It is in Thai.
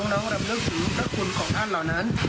น้องรำลึกถึงพระคุณของท่านเหล่านั้น